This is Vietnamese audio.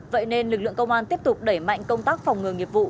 vậy nên lực lượng công an tiếp tục đẩy mạnh công tác phòng ngừa nghiệp vụ